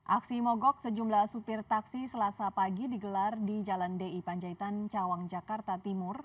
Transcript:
aksi mogok sejumlah supir taksi selasa pagi digelar di jalan di panjaitan cawang jakarta timur